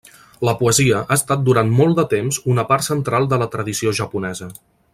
La poesia ha estat durant molt de temps una part central de la tradició japonesa.